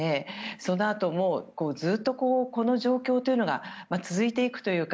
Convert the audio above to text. そのあとも、ずっとこの状況というのが続いていくというか